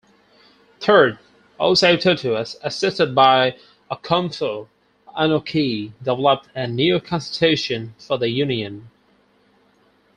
Third, Osei Tutu, assisted by Okomfo Anokye, developed a new constitution for the Union.